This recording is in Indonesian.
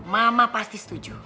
mama pasti setuju